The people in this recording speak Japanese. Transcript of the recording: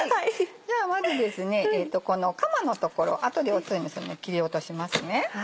じゃあまずこのかまの所後で汁にするので切り落としますね。